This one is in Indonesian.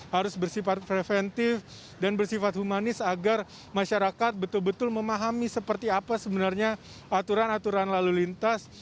harus bersifat preventif dan bersifat humanis agar masyarakat betul betul memahami seperti apa sebenarnya aturan aturan lalu lintas